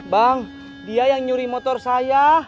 bang dia yang nyuri motor saya